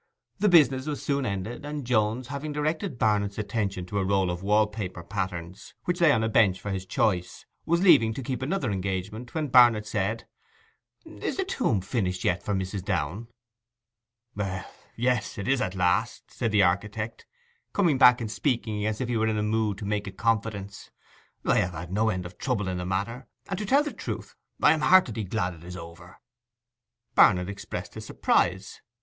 The business was soon ended, and Jones, having directed Barnet's attention to a roll of wall paper patterns which lay on a bench for his choice, was leaving to keep another engagement, when Barnet said, 'Is the tomb finished yet for Mrs. Downe?' 'Well—yes: it is at last,' said the architect, coming back and speaking as if he were in a mood to make a confidence. 'I have had no end of trouble in the matter, and, to tell the truth, I am heartily glad it is over.' Barnet expressed his surprise.